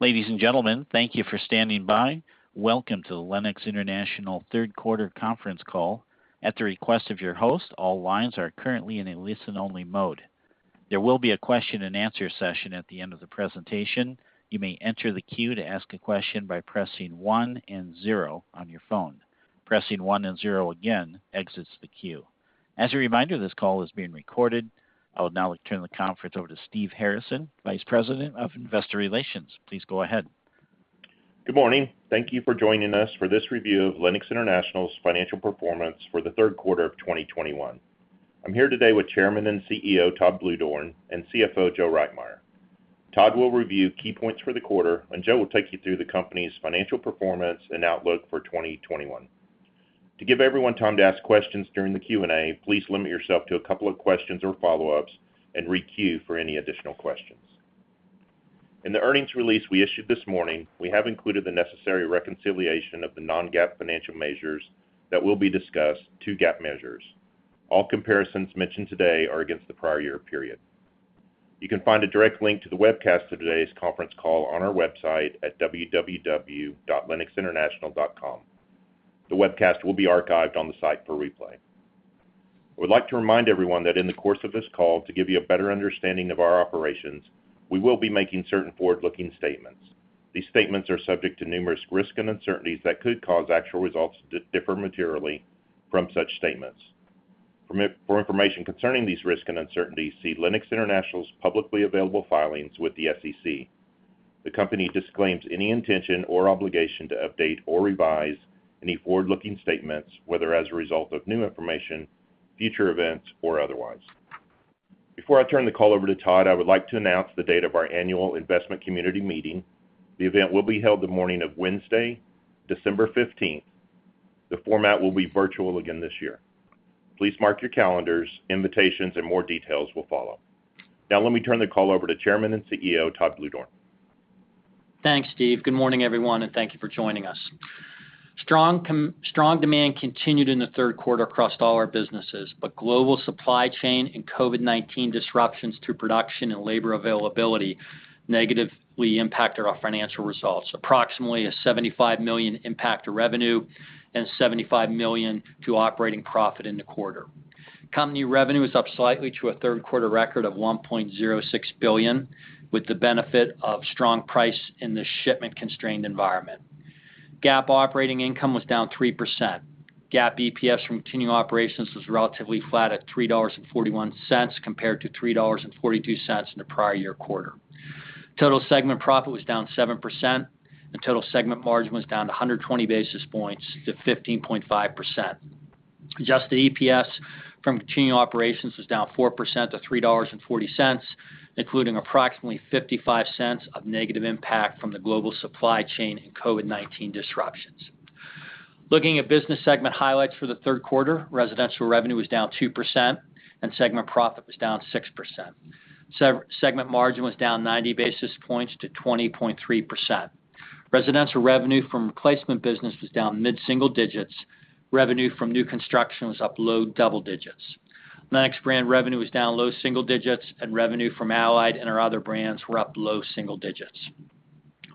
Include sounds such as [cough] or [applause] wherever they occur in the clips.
Ladies and gentlemen, thank you for standing by. Welcome to the Lennox International third quarter conference call. At the request of your host, all lines are currently in a listen-only mode. There will be a question and answer session at the end of the presentation. You may enter the queue to ask a question by pressing one and 0 on your phone. Pressing one and 0 again exits the queue. As a reminder, this call is being recorded. I would now like to turn the conference over to Steve Harrison, Vice President of Investor Relations. Please go ahead. Good morning. Thank you for joining us for this review of Lennox International's financial performance for the third quarter of 2021. I'm here today with Chairman and CEO, Todd Bluedorn, and CFO, Joe Reitmeier. Todd will review key points for the quarter, and Joe will take you through the company's financial performance and outlook for 2021. To give everyone time to ask questions during the Q&A, please limit yourself to a couple of questions or follow-ups and re-queue for any additional questions. In the earnings release we issued this morning, we have included the necessary reconciliation of the non-GAAP financial measures that will be discussed to GAAP measures. All comparisons mentioned today are against the prior-year period. You can find a direct link to the webcast of today's conference call on our website at www.lennoxinternational.com. The webcast will be archived on the site for replay. I would like to remind everyone that in the course of this call, to give you a better understanding of our operations, we will be making certain forward-looking statements. These statements are subject to numerous risks and uncertainties that could cause actual results to differ materially from such statements. For information concerning these risks and uncertainties, see Lennox International's publicly available filings with the SEC. The company disclaims any intention or obligation to update or revise any forward-looking statements, whether as a result of new information, future events, or otherwise. Before I turn the call over to Todd, I would like to announce the date of our annual investment community meeting. The event will be held the morning of Wednesday, December 15th. The format will be virtual again this year. Please mark your calendars. Invitations and more details will follow. Now let me turn the call over to Chairman and CEO, Todd Bluedorn. Thanks, Steve. Good morning, everyone, and thank you for joining us. Strong demand continued in the third quarter across all our businesses, but global supply chain and COVID-19 disruptions to production and labor availability negatively impacted our financial results. Approximately $75 million impact to revenue and $75 million to operating profit in the quarter. Company revenue was up slightly to a third quarter record of $1.06 billion, with the benefit of strong price in the shipment-constrained environment. GAAP operating income was down 3%. GAAP EPS from continuing operations was relatively flat at $3.41 compared to $3.42 in the prior-year quarter. Total segment profit was down 7%, and total segment margin was down 120 basis points to 15.5%. Adjusted EPS from continuing operations was down 4% to $3.40, including approximately $0.55 of negative impact from the global supply chain and COVID-19 disruptions. Looking at business segment highlights for the third quarter, residential revenue was down 2% and segment profit was down 6%. Segment margin was down 90 basis points to 20.3%. Residential revenue from replacement business was down mid-single digits. Revenue from new construction was up low double digits. Lennox brand revenue was down low single digits, and revenue from Allied and our other brands were up low single digits.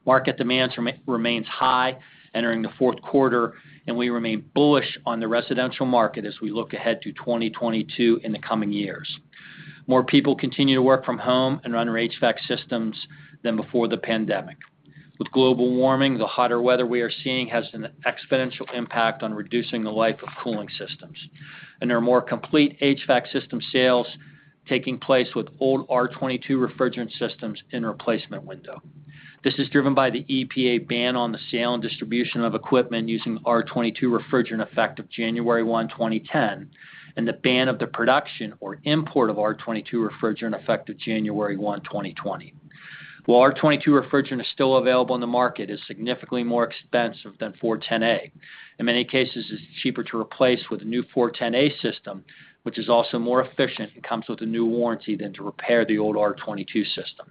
Market demand remains high entering the fourth quarter, and we remain bullish on the residential market as we look ahead to 2022 in the coming years. More people continue to work from home and run our HVAC systems than before the pandemic. With global warming, the hotter weather we are seeing has an exponential impact on reducing the life of cooling systems, and there are more complete HVAC system sales taking place with old R-22 refrigerant systems in replacement window. This is driven by the EPA ban on the sale and distribution of equipment using R22 refrigerant effective January 1, 2010, and the ban of the production or import of R-22 refrigerant effective January 1, 2020. While R-22 refrigerant is still available in the market, it's significantly more expensive than R-410A. In many cases, it's cheaper to replace with a new R-410A system, which is also more efficient and comes with a new warranty, than to repair the old R-22 system.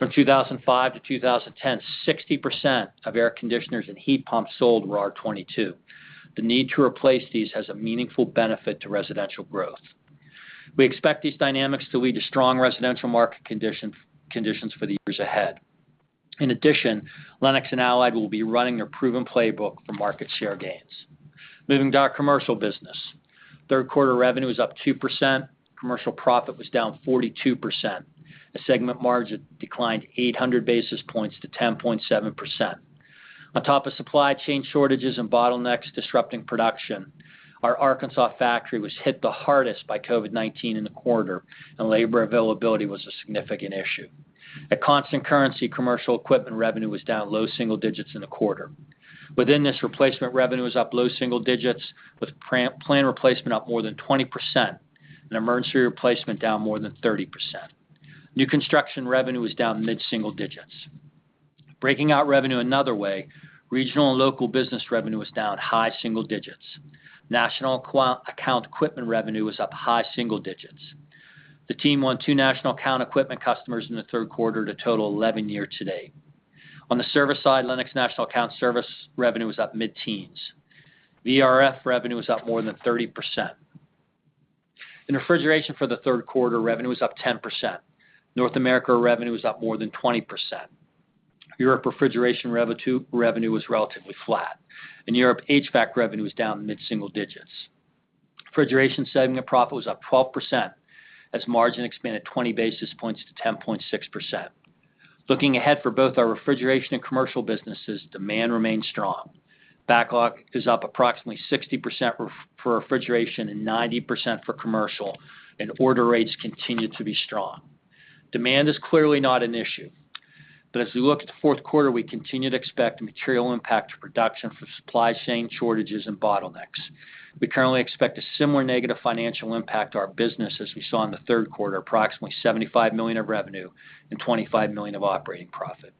From 2005 to 2010, 60% of air conditioners and heat pumps sold were R-22. The need to replace these has a meaningful benefit to residential growth. We expect these dynamics to lead to strong residential market conditions for the years ahead. In addition, Lennox and Allied will be running their proven playbook for market share gains. Moving to our commercial business. Third quarter revenue was up 2%. Commercial profit was down 42%. The segment margin declined 800 basis points to 10.7%. On top of supply chain shortages and bottlenecks disrupting production, our Arkansas factory was hit the hardest by COVID-19 in the quarter, and labor availability was a significant issue. At constant currency, commercial equipment revenue was down low single digits in the quarter. Within this, replacement revenue was up low single digits, with planned replacement up more than 20% and emergency replacement down more than 30%. New construction revenue was down mid-single digits. Breaking out revenue another way, regional and local business revenue was down high-single digits. National account equipment revenue was up high-single digits. The team won two national account equipment customers in the third quarter to total 11 year-to-date. On the service side, Lennox national account service revenue was up mid-teens. VRF revenue was up more than 30%. In refrigeration for the third quarter, revenue was up 10%. North America revenue was up more than 20%. Europe refrigeration revenue was relatively flat. In Europe, HVAC revenue was down mid-single digits. Refrigeration segment profit was up 12% as margin expanded 20 basis points to 10.6%. Looking ahead for both our refrigeration and commercial businesses, demand remains strong. Backlog is up approximately 60% for refrigeration and 90% for commercial. Order rates continue to be strong. Demand is clearly not an issue. As we look at the fourth quarter, we continue to expect a material impact to production from supply chain shortages and bottlenecks. We currently expect a similar negative financial impact to our business as we saw in the third quarter, approximately $75 million of revenue and $25 million of operating profit.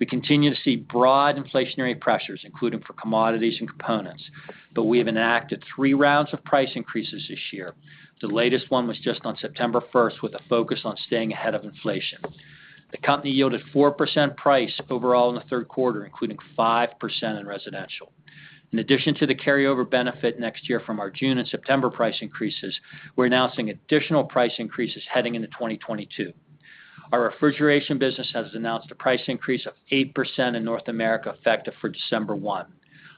We continue to see broad inflationary pressures, including for commodities and components, but we have enacted three rounds of price increases this year. The latest one was just on September 1st with a focus on staying ahead of inflation. The company yielded 4% price overall in the third quarter, including 5% in residential. In addition to the carryover benefit next year from our June and September price increases, we're announcing additional price increases heading into 2022. Our refrigeration business has announced a price increase of 8% in North America, effective for December 1.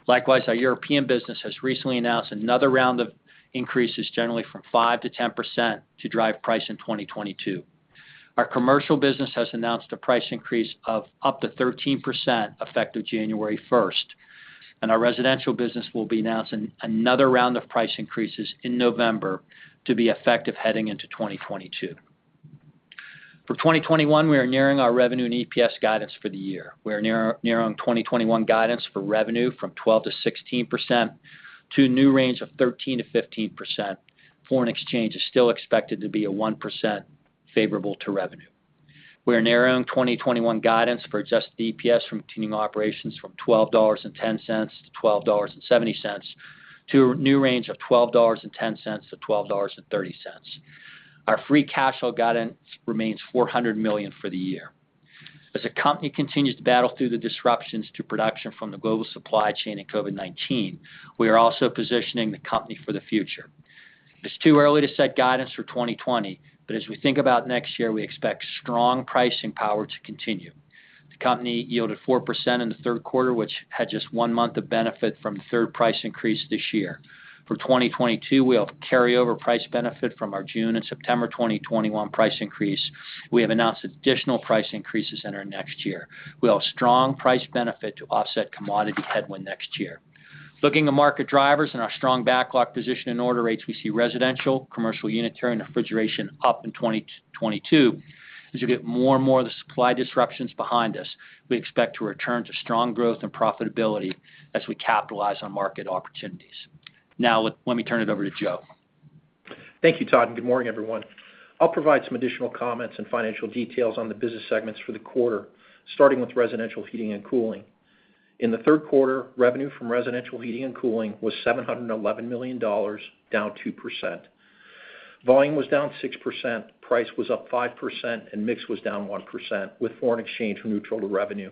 Likewise, our European business has recently announced another round of increases, generally from 5%-10%, to drive price in 2022. Our commercial business has announced a price increase of up to 13%, effective January 1st, and our residential business will be announcing another round of price increases in November to be effective heading into 2022. For 2021, we are nearing our revenue and EPS guidance for the year. We are narrowing 2021 guidance for revenue from 12%-16% to a new range of 13%-15%. Foreign exchange is still expected to be a 1% favorable to revenue. We are narrowing 2021 guidance for adjusted EPS from continuing operations from $12.10-$12.70 to a new range of $12.10-$12.30. Our free cash flow guidance remains $400 million for the year. As the company continues to battle through the disruptions to production from the global supply chain and COVID-19, we are also positioning the company for the future. It's too early to set guidance for 2020, but as we think about next year, we expect strong pricing power to continue. The company yielded 4% in the third quarter, which had just one month of benefit from the third price increase this year. For 2022, we have carryover price benefit from our June and September 2021 price increase. We have announced additional price increases in our next year. We have strong price benefit to offset commodity headwind next year. Looking at market drivers and our strong backlog position and order rates, we see residential, commercial unitary, and refrigeration up in 2022. As we get more and more of the supply disruptions behind us, we expect to return to strong growth and profitability as we capitalize on market opportunities. Now, let me turn it over to Joe. Thank you, Todd, and good morning, everyone. I'll provide some additional comments and financial details on the business segments for the quarter, starting with residential heating and cooling. In the third quarter, revenue from residential heating and cooling was $711 million, down 2%. Volume was down 6%, price was up 5%, and mix was down 1%, with foreign exchange from neutral to revenue.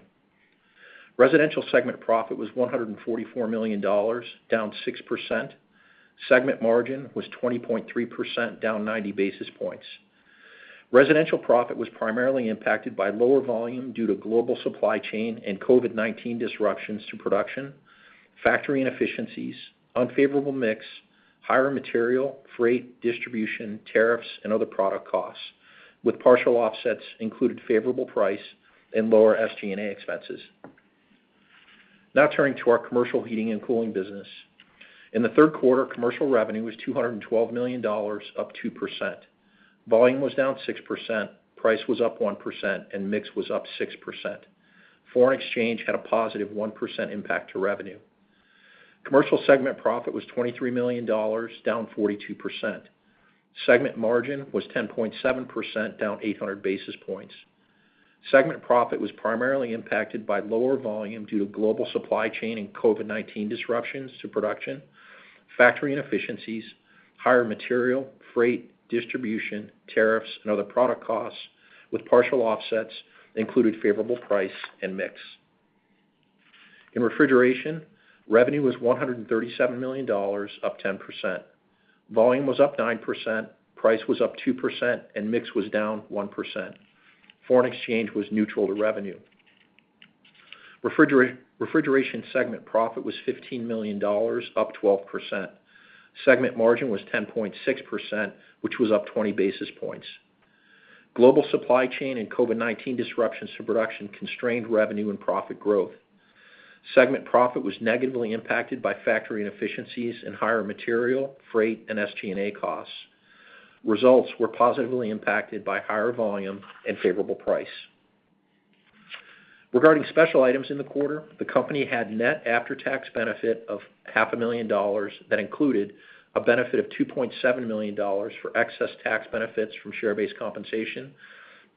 Residential segment profit was $144 million, down 6%. Segment margin was 20.3%, down 90 basis points. Residential profit was primarily impacted by lower volume due to global supply chain and COVID-19 disruptions to production, factory inefficiencies, unfavorable mix, higher material, freight, distribution, tariffs, and other product costs, with partial offsets included favorable price and lower SG&A expenses. Now turning to our commercial heating and cooling business. In the third quarter, commercial revenue was $212 million, up 2%. Volume was down 6%, price was up 1%, and mix was up 6%. Foreign exchange had a positive 1% impact to revenue. Commercial segment profit was $23 million, down 42%. Segment margin was 10.7%, down 800 basis points. Segment profit was primarily impacted by lower volume due to global supply chain and COVID-19 disruptions to production, factory inefficiencies, higher material, freight, distribution, tariffs, and other product costs, with partial offsets included favorable price and mix. In refrigeration, revenue was $137 million, up 10%. Volume was up 9%, price was up 2%, and mix was down 1%. Foreign exchange was neutral to revenue. Refrigeration segment profit was $15 million, up 12%. Segment margin was 10.6%, which was up 20 basis points. Global supply chain and COVID-19 disruptions to production constrained revenue and profit growth. Segment profit was negatively impacted by factory inefficiencies and higher material, freight, and SG&A costs. Results were positively impacted by higher volume and favorable price. Regarding special items in the quarter, the company had net after-tax benefit of $500,000 that included a benefit of $2.7 million for excess tax benefits from share-based compensation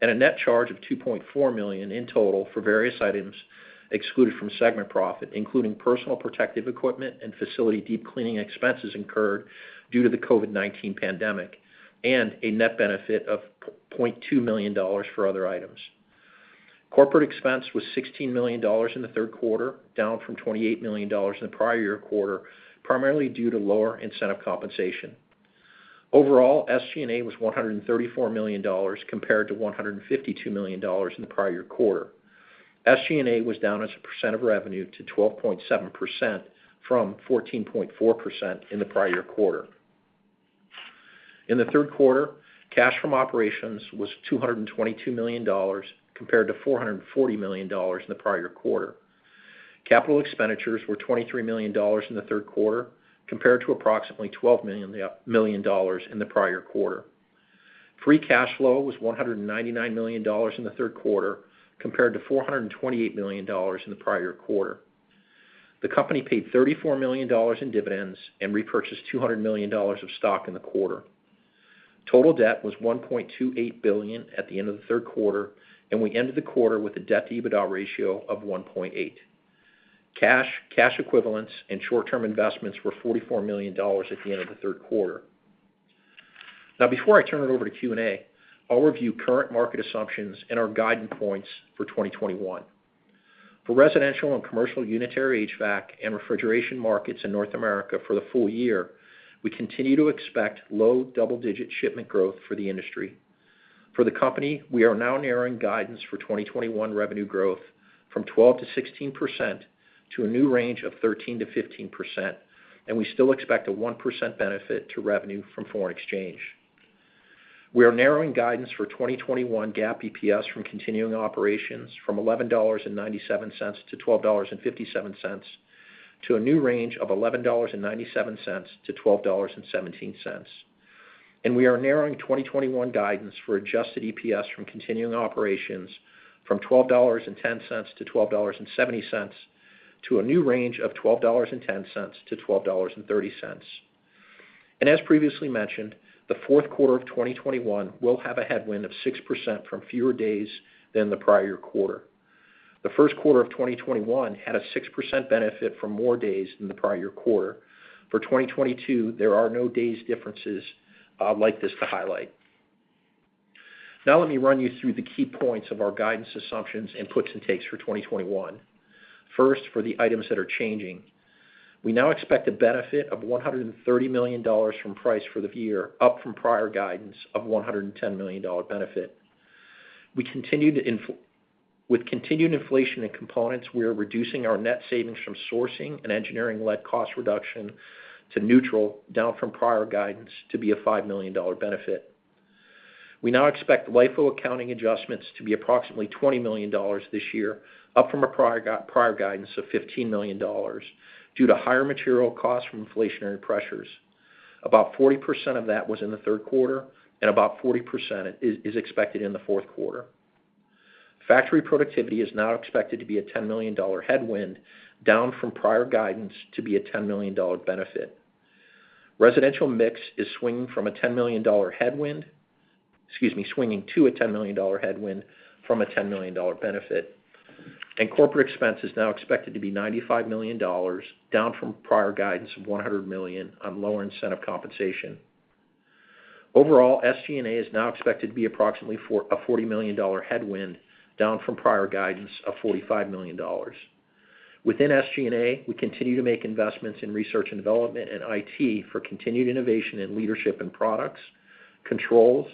and a net charge of $2.4 million in total for various items excluded from segment profit, including personal protective equipment and facility deep cleaning expenses incurred due to the COVID-19 pandemic, and a net benefit of $0.2 million for other items. Corporate expense was $16 million in the third quarter, down from $28 million in the prior-year quarter, primarily due to lower incentive compensation. Overall, SG&A was $134 million compared to $152 million in the prior-year quarter. SG&A was down as a percent of revenue to 12.7% from 14.4% in the prior-year quarter. In the third quarter, cash from operations was $222 million compared to $440 million in the prior-year quarter. Capital expenditures were $23 million in the third quarter, compared to approximately $12 million in the prior quarter. Free cash flow was $199 million in the third quarter, compared to $428 million in the prior-year quarter. The company paid $34 million in dividends and repurchased $200 million of stock in the quarter. Total debt was $1.28 billion at the end of the third quarter, and we ended the quarter with a debt-to-EBITDA ratio of 1.8. Cash equivalents and short-term investments were $44 million at the end of the third quarter. Now, before I turn it over to Q&A, I'll review current market assumptions and our guidance points for 2021. For residential and commercial unitary HVAC and refrigeration markets in North America for the full year, we continue to expect low double-digit shipment growth for the industry. For the company, we are now narrowing guidance for 2021 revenue growth from 12%-16% to a new range of 13%-15%, and we still expect a 1% benefit to revenue from foreign exchange. We are narrowing guidance for 2021 GAAP EPS from continuing operations from $11.97-$12.57, to a new range of $11.97-$12.17. We are narrowing 2021 guidance for adjusted EPS from continuing operations from $12.10-$12.70, to a new range of $12.10-$12.30. As previously mentioned, the fourth quarter of 2021 will have a headwind of 6% from fewer days than the prior-year quarter. The first quarter of 2021 had a 6% benefit from more days than the prior-year quarter. For 2022, there are no days differences like this to highlight. Now let me run you through the key points of our guidance assumptions and puts and takes for 2021. First, for the items that are changing. We now expect a benefit of $130 million from price for the year, up from prior guidance of $110 million benefit. With continued inflation in components, we are reducing our net savings from sourcing and engineering-led cost reduction to neutral, down from prior guidance to be a $5 million benefit. We now expect LIFO accounting adjustments to be approximately $20 million this year, up from a prior guidance of $15 million due to higher material costs from inflationary pressures. About 40% of that was in the third quarter, and about 40% is expected in the fourth quarter. Factory productivity is now expected to be a $10 million headwind, down from prior guidance to be a $10 million benefit. Residential mix is swinging to a $10 million headwind from a $10 million benefit, and corporate expense is now expected to be $95 million, down from prior guidance of $100 million on lower incentive compensation. Overall, SG&A is now expected to be approximately a $40 million headwind, down from prior guidance of $45 million. Within SG&A, we continue to make investments in research and development and IT for continued innovation and leadership in products, controls,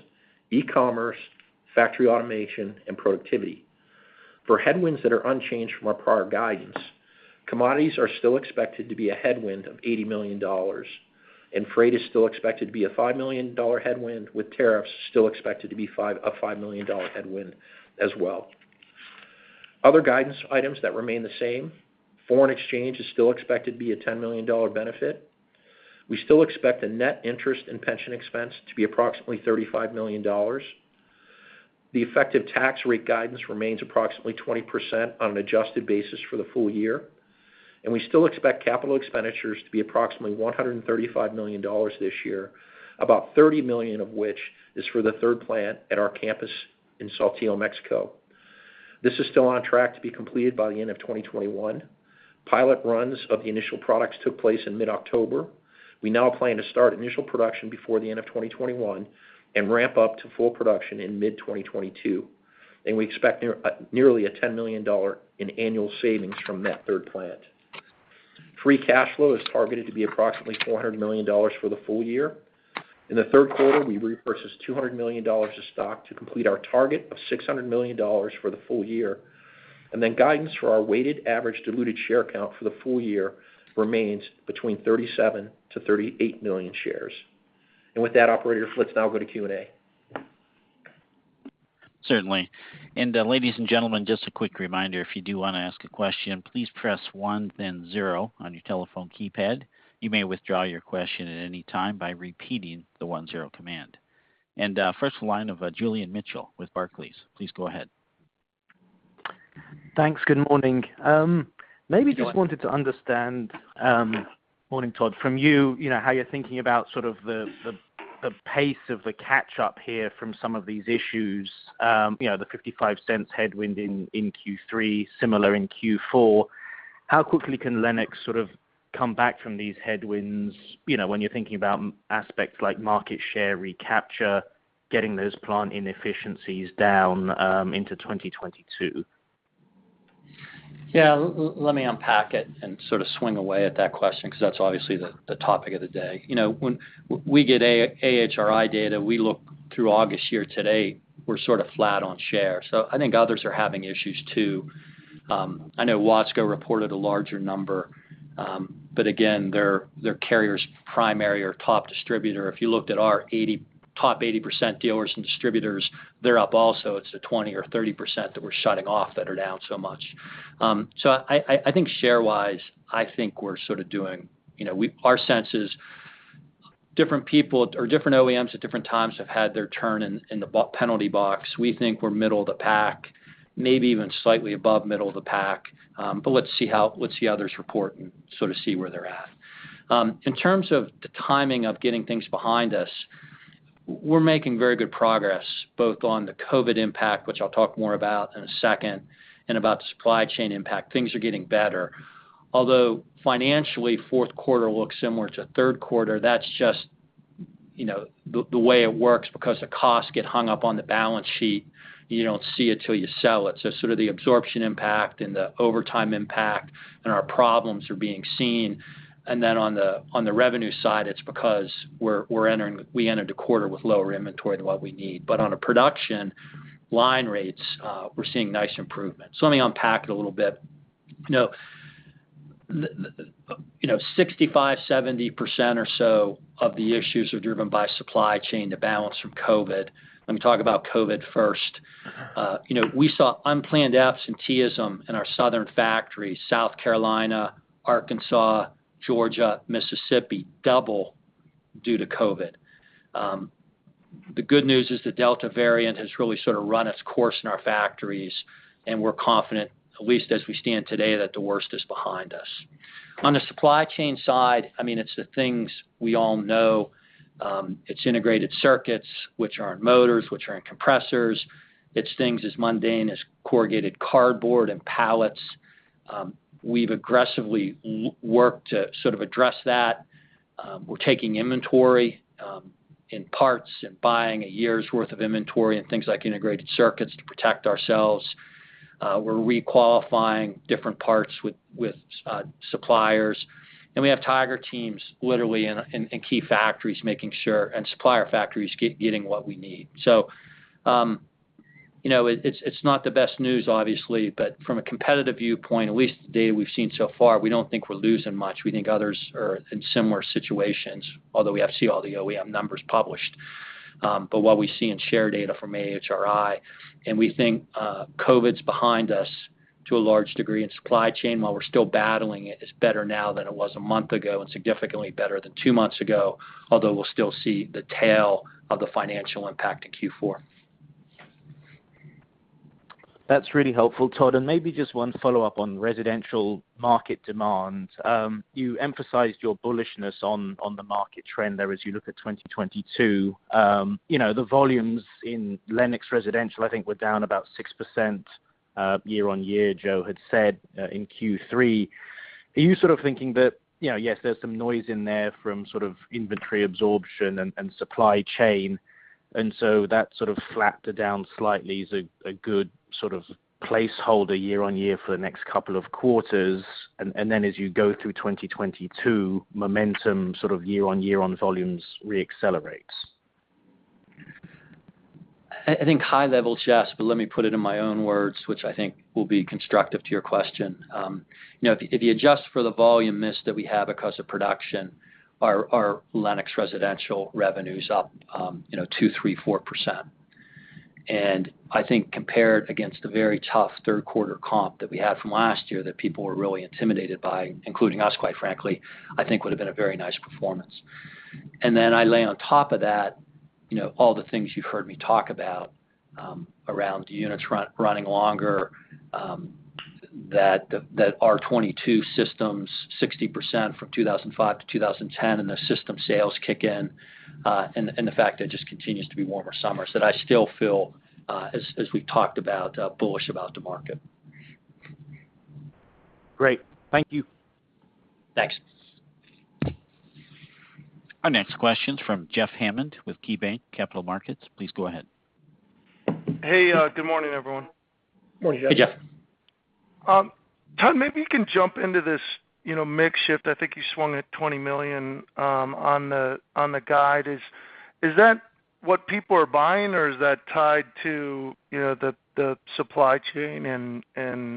e-commerce, factory automation, and productivity. For headwinds that are unchanged from our prior guidance, commodities are still expected to be a headwind of $80 million, and freight is still expected to be a $5 million headwind, with tariffs still expected to be a $5 million headwind as well. Other guidance items that remain the same. Foreign exchange is still expected to be a $10 million benefit. We still expect the net interest and pension expense to be approximately $35 million. The effective tax rate guidance remains approximately 20% on an adjusted basis for the full year. We still expect capital expenditures to be approximately $135 million this year, about $30 million of which is for the third plant at our campus in Saltillo, Mexico. This is still on track to be completed by the end of 2021. Pilot runs of the initial products took place in mid-October. We now plan to start initial production before the end of 2021 and ramp up to full production in mid-2022, we expect nearly a $10 million in annual savings from that third plant. Free cash flow is targeted to be approximately $400 million for the full year. In the third quarter, we repurchased $200 million of stock to complete our target of $600 million for the full year. Guidance for our weighted average diluted share count for the full year remains between 37 million-38 million shares. With that, operator, let's now go to Q&A. Certainly, and ladies and gentlemen, just a quick reminder, if you do want to ask a question, please press one then 0 on your telephone keypad. You may withdraw your question at any time by repeating the one 0 command. First line of Julian Mitchell with Barclays. Please go ahead. Thanks. Good morning. Good morning, Julian. Maybe just wanted to understand, morning, Todd, from you, how you're thinking about the pace of the catch-up here from some of these issues, the $0.55 headwind in Q3, similar in Q4. How quickly can Lennox sort of come back from these headwinds? You know, when you're thinking about aspects like market share recapture, getting those plant inefficiencies down into 2022? Yeah. Let me unpack it and sort of swing away at that question, because that's obviously the topic of the day. You know, when we get AHRI data, we look through August here today, we're sort of flat on share. I think others are having issues too. I know Watsco reported a larger number. But again, their Carrier's primary or top distributor. If you looked at our top 80% dealers and distributors, they're up also. It's the 20% or 30% that we're shutting off that are down so much. I think share-wise, I think, were sort of doing, you know, our sense is different OEMs at different times have had their turn in the penalty box. We think we're middle of the pack, maybe even slightly above middle of the pack. Let's see others report and sort of see where they're at. In terms of the timing of getting things behind us, we're making very good progress both on the COVID impact, which I'll talk more about in a second, and about the supply chain impact. Things are getting better. Although financially, fourth quarter looks similar to third quarter. That's just, you know, the way it works because the costs get hung up on the balance sheet. You don't see it till you sell it. Sort of the absorption impact and the overtime impact and our problems are being seen. And then, on the revenue side, it's because we entered a quarter with lower inventory than what we need. On a production line rates, we're seeing nice improvements. So, let me unpack it a little bit. You know, 65%, 70% or so of the issues are driven by supply chain imbalance from COVID. Let me talk about COVID first. You know, we saw unplanned absenteeism in our southern factories, South Carolina, Arkansas, Georgia, Mississippi, double due to COVID. The good news is the Delta variant has really sort of run its course in our factories, and we're confident, at least as we stand today, that the worst is behind us. On the supply chain side, I mean it's the things we all know. It's integrated circuits, which are in motors, which are in compressors. It's things as mundane as corrugated cardboard and pallets. We've aggressively worked to sort of address that. We're taking inventory in parts and buying a year's worth of inventory and things like integrated circuits to protect ourselves. We're re-qualifying different parts with suppliers. We have tiger teams literally in key factories, making sure, and supplier factories, getting what we need. You know, it's not the best news, obviously, but from a competitive viewpoint, at least the data we've seen so far, we don't think we're losing much. We think others are in similar situations, although we have to see all the OEM numbers published. But what we see in share data from AHRI, and we think COVID's behind us to a large degree in supply chain, while we're still battling it's better now than it was a month ago and significantly better than two months ago, although we'll still see the tail of the financial impact in Q4. That's really helpful, Todd. Maybe just one follow-up on residential market demand. You emphasized your bullishness on the market trend there as you look at 2022. You know, the volumes in Lennox residential, I think, were down about 6% year-on-year, Joe had said in Q3. Are you sort of thinking that, yes, there's some noise in there from sort of inventory absorption and supply chain, so that sort of flat to down slightly is a good sort of placeholder year-onyear for the next couple of quarters. Then as you go through 2022, momentum sort of year-on -year on volumes re-accelerates? I think high level, yes, but let me put it in my own words, which I think will be constructive to your question. You know, if you adjust for the volume miss that we have because of production, our Lennox residential revenue's up 2%, 3%, 4%. I think compared against the very tough third quarter comp that we had from last year that people were really intimidated by, including us, quite frankly, I think would have been a very nice performance. And then, I lay on top of that, you know, all the things you've heard me talk about around units running longer, that our 2022 systems, 60% from 2005-2010, and the system sales kick in. The fact that it just continues to be warmer summers that I still feel, as we talked about, bullish about the market. Great. Thank you. Thanks. Our next question's from Jeff Hammond with KeyBanc Capital Markets. Please go ahead. Hey, good morning, everyone. Morning, Jeff. Hey, Jeff. Todd, maybe you can jump into this, you know, mix shift. I think you swung at $20 million on the guide. Is that what people are buying, or is that tied to the supply chain and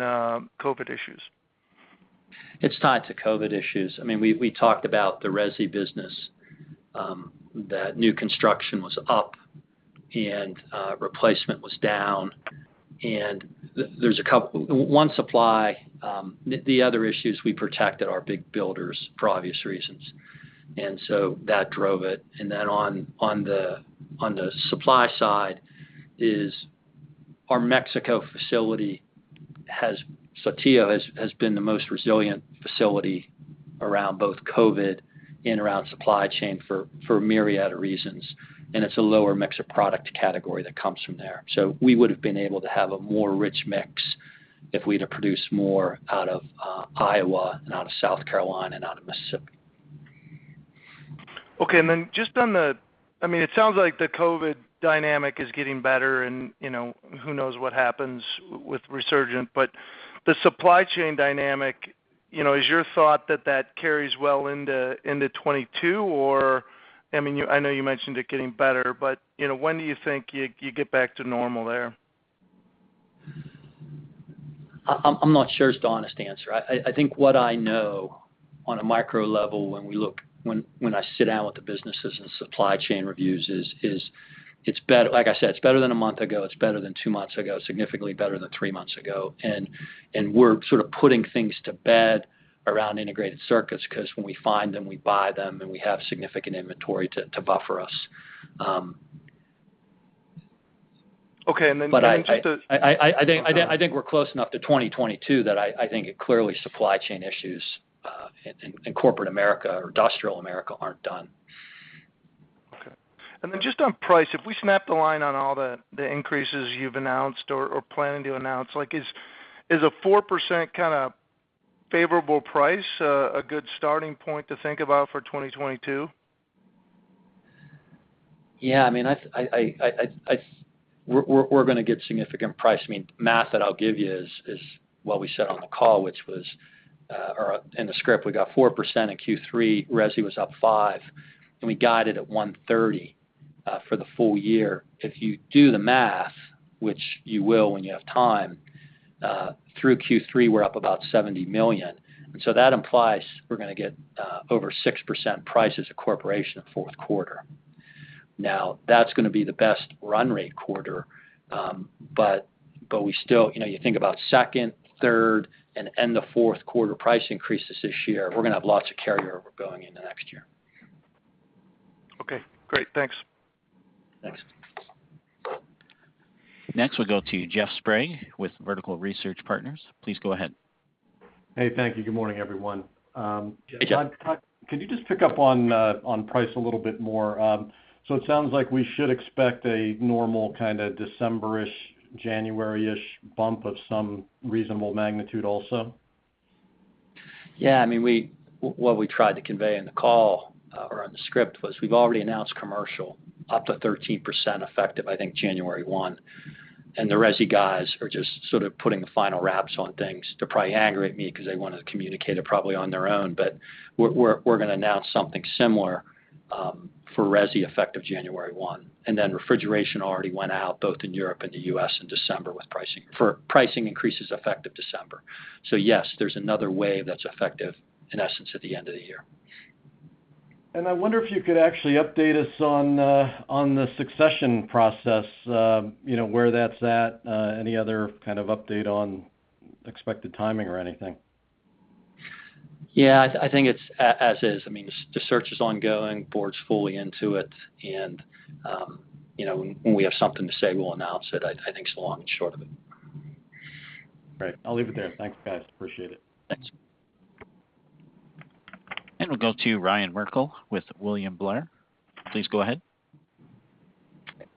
COVID issues? It's tied to COVID issues. We talked about the resi business, that new construction was up and replacement was down. One supply, the other issues we protected our big builders for obvious reasons. and so, that drove it. On the supply side is our Mexico facility, Saltillo has been the most resilient facility around both COVID and around supply chain for a myriad of reasons. And it's a lower mix of product category that comes from there. So, we would've been able to have a more rich mix if we'd have produced more out of Iowa and out of South Carolina and out of Mississippi. Okay. It sounds like the COVID dynamic is getting better and, you know, who knows what happens with resurgent, the supply chain dynamic, you know, is your thought that that carries well into 2022? I know you mentioned it getting better, but, you know, when do you think you get back to normal there? I'm not sure is the honest answer. I think what I know on a micro level when I sit down with the businesses and supply chain reviews is, like I said, it's better than a month ago, it's better than two months ago, significantly better than three months ago. We're sort of putting things to bed around integrated circuits because when we find them, we buy them, and we have significant inventory to buffer us. Okay. [crosstalk] I think we're close enough to 2022 that I think clearly supply chain issues in corporate America or industrial America aren't done. Okay. Just on price, if we snap the line on all the increases you've announced or planning to announce, is a 4% kind of favorable price a good starting point to think about for 2022? Yeah. I mean, we're going to get significant price. I mean, math that I'll give you is what we said on the call, which was, or in the script, we got 4% in Q3, resi was up 5%, and we guided at $130 for the full year. If you do the math, which you will when you have time, through Q3, we're up about $70 million. That implies we're going to get over 6% prices of contribution in fourth quarter. Now, that's going to be the best run rate quarter. But, we still, you know, you think about second, third, and end of fourth quarter price increases this year, we're going to have lots of carrier going into next year. Okay, great. Thanks. Thanks. Next, we'll go to Jeff Sprague with Vertical Research Partners. Please go ahead. Hey, thank you. Good morning, everyone. Hey, Jeff. Todd, could you just pick up on price a little bit more? So, it sounds like we should expect a normal kind of December-ish, January-ish bump of some reasonable magnitude also? Yeah. What we tried to convey in the call or on the script was we've already announced commercial up to 13% effective, I think, January 1. The resi guys are just sort of putting the final wraps on things to probably aggravate me because they want to communicate it probably on their own. We're going to announce something similar for resi effective January 1. Refrigeration already went out both in Europe and the U.S. in December for pricing increases effective December. So, yes, there's another wave that's effective in essence at the end of the year. I wonder if you could actually update us on the succession process, you know, where that's at, any other kind of update on expected timing or anything? Yeah, I think it's as is. I mean, the search is ongoing. Board's fully into it. and when we have something to say, we'll announce it. I think it's the long and short of it. Great. I'll leave it there. Thanks, guys. Appreciate it. Thanks. We'll go to Ryan Merkel with William Blair. Please go ahead.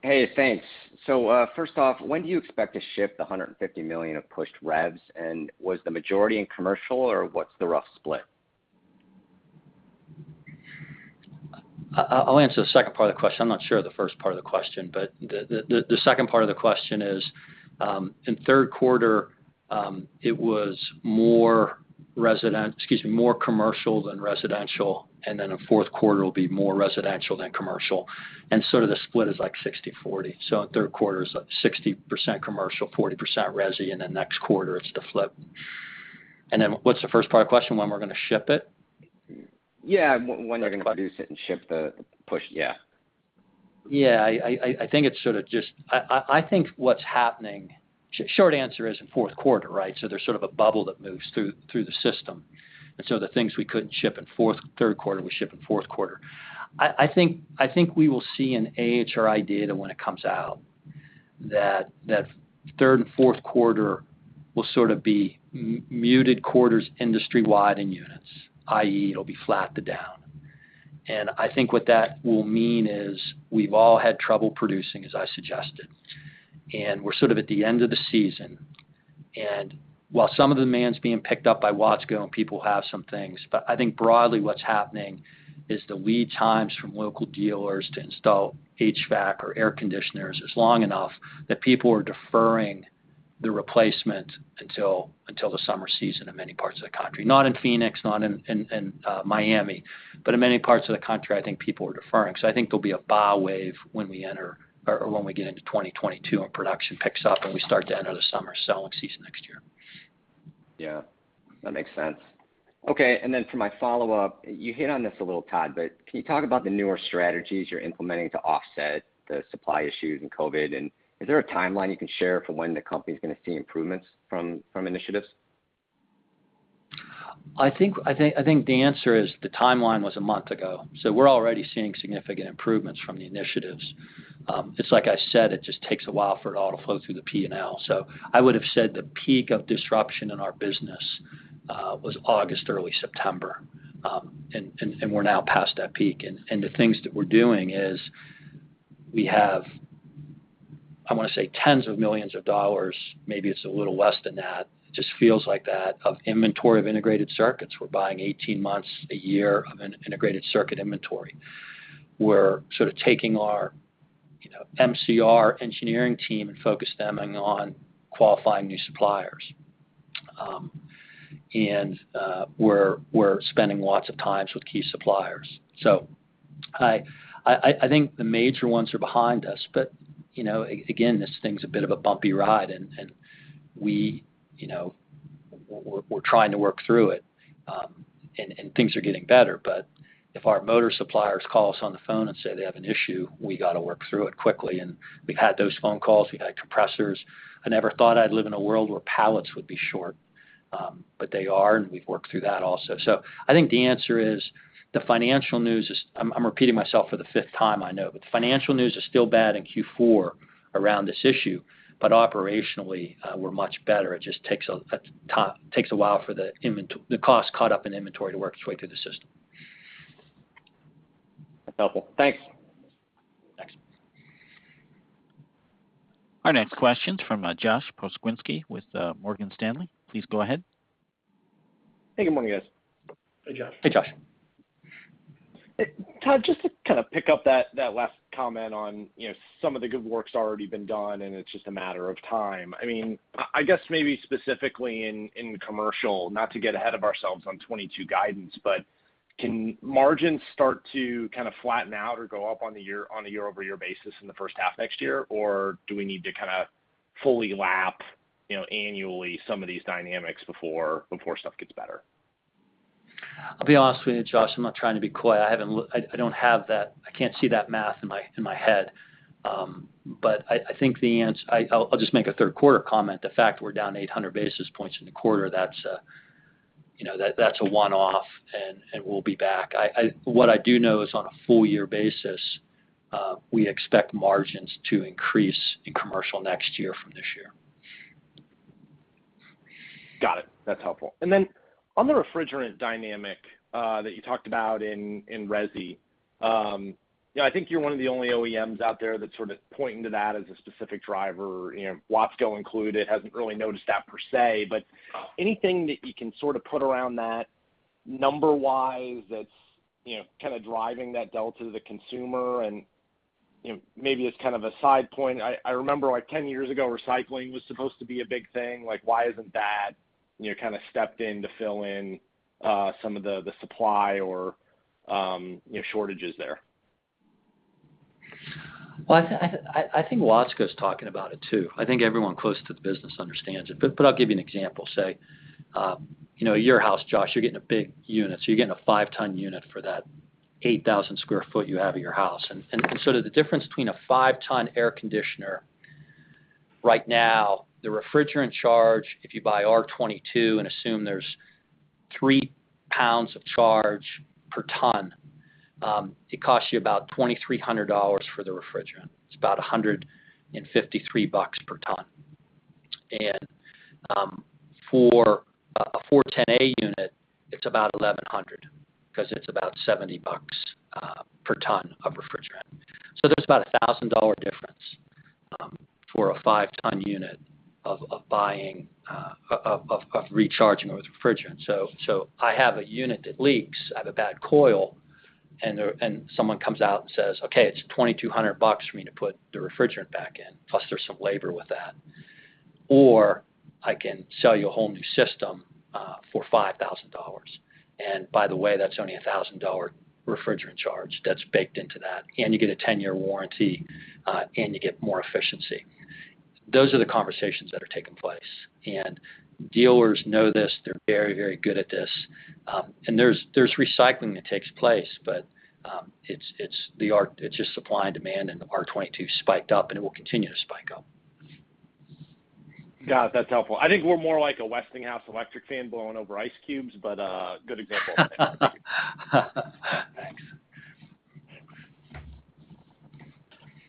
Hey, thanks. So, first off, when do you expect to ship the $150 million of pushed revs? Was the majority in commercial, or what's the rough split? I'll answer the second part of the question. I'm not sure of the first part of the question. The second part of the question is, in third quarter it was more commercial than residential, and then in fourth quarter it will be more residential than commercial. Sort of the split is like 60/40. In third quarter is 60% commercial, 40% resi, and then next quarter it's the flip. What's the first part of the question? When we're going to ship it? Yeah. When you're going to produce it and ship the push? Yeah. Yeah. I think, what's happening—short answer is in fourth quarter, right? There's sort of a bubble that moves through the system. The things we couldn't ship in third quarter will ship in fourth quarter. I think we will see in AHRI data when it comes out that third and fourth quarter will sort of be muted quarters industry-wide in units, i.e., it'll be flat to down. And I think what that will mean is we've all had trouble producing, as I suggested, and we're sort of at the end of the season. And, while some of the demand's being picked up by Watsco and people who have some things. But I think broadly what's happening is the lead times from local dealers to install HVAC or air conditioners is long enough that people are deferring the replacement until the summer season in many parts of the country. Not in Phoenix, not in Miami, but in many parts of the country, I think people are deferring. So I think there'll be a buy wave when we enter or we get into 2022 and production picks up and we start to enter the summer selling season next year. Yeah. That makes sense. Okay. And then, for my follow-up, you hit on this a little, Todd, can you talk about the newer strategies you're implementing to offset the supply issues and COVID? Is there a timeline you can share for when the company's going to see improvements from initiatives? I think the answer is the timeline was a month ago. So we're already seeing significant improvements from the initiatives. It's like I said, it just takes a while for it all to flow through the P&L. So I would've said the peak of disruption in our business was August, early September. And we're now past that peak. The things that we're doing is we have, I want to say tens of millions of dollars, maybe it's a little less than that, it just feels like that, of inventory of integrated circuits. We're buying 18 months a year of an integrated circuit inventory. We're sort of taking our MCR engineering team and focus them in on qualifying new suppliers. And we're spending lots of times with key suppliers so. I think the major ones are behind us, but, you know, again, this thing's a bit of a bumpy ride, and we're, you know, trying to work through it. And things are getting better, but if our motor suppliers call us on the phone and say they have an issue, we got to work through it quickly, and we've had those phone calls. We've had compressors. I never thought I'd live in a world where pallets would be short, but they are, and we've worked through that also. So, I think the answer is the financial news is, I'm repeating myself for the fifth time, I know, but the financial news is still bad in Q4 around this issue, but operationally, we're much better. It just takes a while for the cost caught up in inventory to work its way through the system. Helpful. Thanks. Thanks. Our next question's from Josh Pokrzywinski with Morgan Stanley. Please go ahead. Hey, good morning, guys. Hey, Josh Hey, Josh. Todd, just to kind of pick up that last comment on, you know, some of the good work's already been done, and it's just a matter of time. I guess maybe specifically in commercial, not to get ahead of ourselves on 2022 guidance, but can margins start to kind of flatten out or go up on a year-over-year basis in the first half next year? Or do we need to kind of fully lap annually some of these dynamics before stuff gets better? I'll be honest with you, Josh, I'm not trying to be quiet. I can't see that math in my head. But I think the answer—I'll just make a third quarter comment. The fact we're down 800 basis points in the quarter, that's a one-off, and we'll be back. What I do know is on a full year basis, we expect margins to increase in commercial next year from this year. Got it. That's helpful. On the refrigerant dynamic that you talked about in resi, yeah, I think you're one of the only OEMs out there that's sort of pointing to that as a specific driver. Watsco included, hasn't really noticed that per se, but anything that you can sort of put around that number-wise that's, you know, kind of driving that delta to the consumer and, you know, maybe it's kind of a side point. I remember like 10 years ago, recycling was supposed to be a big thing. Like why isn't that, you know, kind of stepped in to fill in some of the supply or shortages there? I think Watsco's talking about it, too. I think everyone close to the business understands it. I'll give you an example. Say, your house, Josh, you're getting a big unit, you're getting a 5-ton unit for that 8,000 sq ft you have at your house. And consider the difference between a 5-ton air conditioner right now, the refrigerant charge, if you buy R-22 and assume there's 3 lbs of charge per ton, it costs you about $2,300 for the refrigerant. It's about $153 per ton. And for a R-410A unit, it's about $1,100 because it's about $70 per ton of refrigerant. There's about $1,000 difference for a 5-ton unit of recharging with refrigerant. So I have a unit that leaks, I have a bad coil, and someone comes out and says, okay, it's $2,200 for me to put the refrigerant back in, plus there's some labor with that, or I can sell you a whole new system for $5,000. By the way, that's only $1,000 refrigerant charge that's baked into that, and you get a 10-year warranty, and you get more efficiency. Those are the conversations that are taking place. And dealers know this. They're very, very good at this. There's recycling that takes place, but it's just supply and demand, and the R-22 spiked up, and it will continue to spike up. Got it. That's helpful. I think we're more like a Westinghouse electric fan blowing over ice cubes, but good example. Thanks.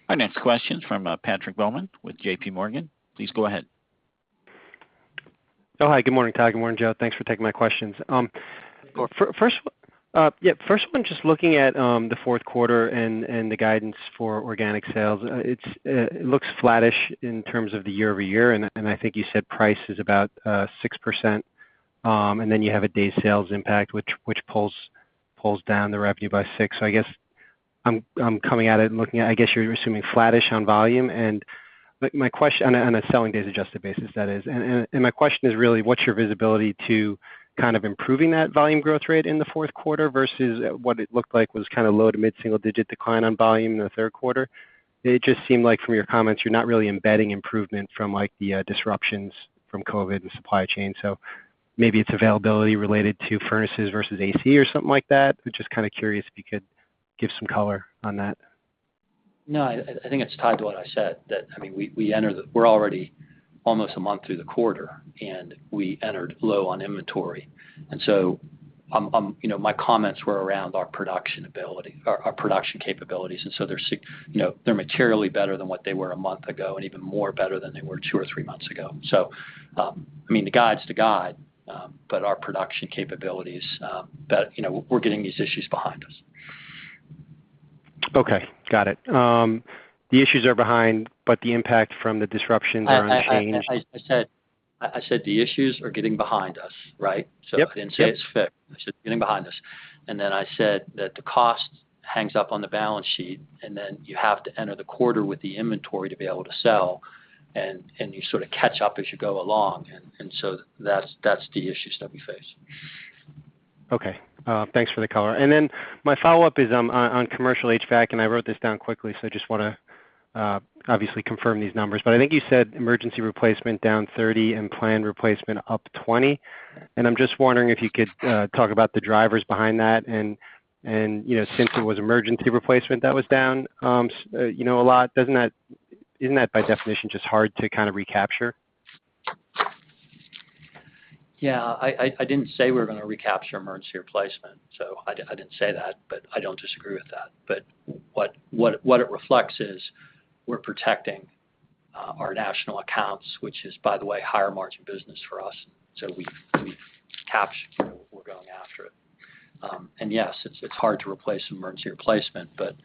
Our next question's from Patrick Baumann with JPMorgan. Please go ahead. Oh, hi. Good morning, Todd. Good morning, Joe. Thanks for taking my questions. Of course. First one, just looking at the fourth quarter and the guidance for organic sales. It looks flattish in terms of the year-over-year, I think you said price is about 6%, then you have a day sales impact, which pulls down the revenue by 6%. I guess I'm coming at it and looking at, I guess you're assuming flattish on volume. On a selling days adjusted basis, that is. My question is really what's your visibility to kind of improving that volume growth rate in the fourth quarter versus what it looked like was kind of low to mid-single-digit decline on volume in the third quarter? It just seemed like from your comments, you're not really embedding improvement from the disruptions from COVID and supply chain. So maybe it's availability related to furnaces versus AC or something like that. I'm just kind of curious if you could give some color on that. No, I think it's tied to what I said, that we're already almost a month through the quarter, and we entered low on inventory. You know, my comments were around our production capabilities, and so they're, you know, materially better than what they were a month ago, and even more better than they were two or three months ago. I mean, the guide's the guide. Our production capabilities, but, you know, we're getting these issues behind us. Okay. Got it. The issues are behind, but the impact from the disruptions are unchanged? I said the issues are getting behind us, right? Yep. I didn't say it's fixed. I said getting behind us. And then, I said that the cost hangs up on the balance sheet, and then you have to enter the quarter with the inventory to be able to sell, and you sort of catch up as you go along. That's the issues that we face. Okay. Thanks for the color. My follow-up is on commercial HVAC, and I wrote this down quickly, so I just want to obviously confirm these numbers. I think you said emergency replacement down 30% and planned replacement up 20%. I'm just wondering if you could talk about the drivers behind that and, you know, since it was emergency replacement that was down, you know, a lot, isn't that by definition just hard to kind of recapture? Yeah. I didn't say we were going to recapture emergency replacement, so I didn't say that, but I don't disagree with that. What it reflects is we're protecting our national accounts, which is, by the way, higher margin business for us. So we've captured it. We're going after it. And yes, it's hard to replace emergency replacement, but,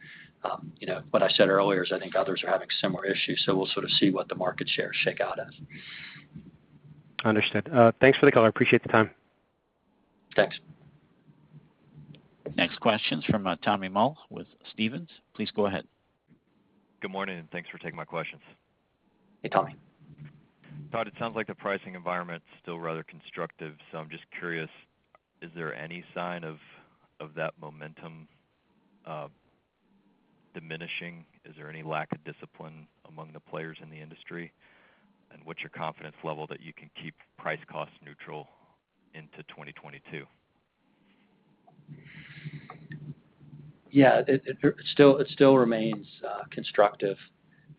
you know, what I said earlier is I think others are having similar issues, so we'll sort of see what the market shares shake out as. Understood. Thanks for the color. Appreciate the time. Thanks. Next question's from Tommy Moll with Stephens. Please go ahead. Good morning, and thanks for taking my questions. Hey, Tommy. Todd, it sounds like the pricing environment's still rather constructive, so I'm just curious, is there any sign of that momentum diminishing? Is there any lack of discipline among the players in the industry? And what's your confidence level that you can keep price cost neutral into 2022? Yeah. It still remains constructive.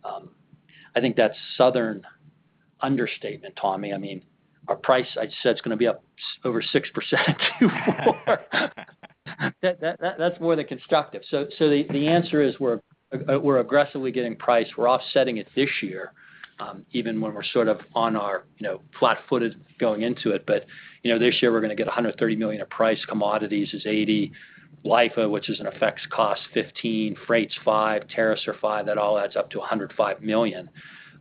I think that's some understatement, Tommy. I mean, our price, I said, is going to be up over 6% in Q4. That's more than constructive. So, the answer is we're aggressively getting price. We're offsetting it this year, even when we're sort of on our flat-footed going into it. You know, this year we're going to get $130 million of price. Commodities is $80 million. LIFO, which is a fixed cost, $15 million. Freight's $5 million. Tariffs are $5 million. That all adds up to $105 million.